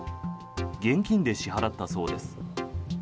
現金で支払ったそうです。